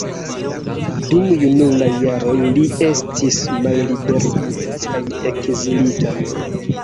Dum junulaj jaroj li estis malliberigita kaj ekzilita.